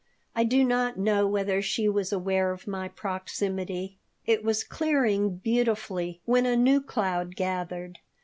I do not know whether she was aware of my proximity It was clearing beautifully, when a new cloud gathered.